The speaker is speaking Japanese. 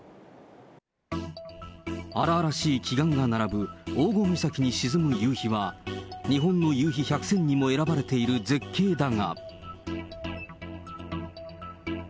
荒々しい奇岩が並ぶ黄金岬に沈む夕日は日本の夕陽百選にも選ばれている絶景だが。